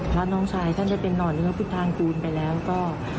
พระน้องชายท่านได้เป็นนอนเราผิดทางกูลไปแล้วก็